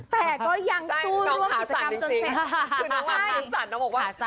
แต่ยังสู้ร่วมกันจนเสร็จ